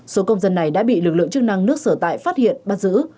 số công dân này đã bị lực lượng chức năng nước sở tại phát hiện bắt giữ